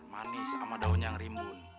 manis sama daun yang rimbun